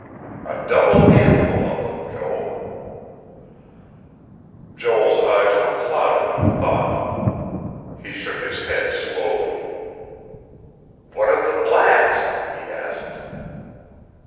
A double handful of them, Joel...." Joel's eyes were clouded with thought; he shook his head slowly. "What of the blacks?" he asked.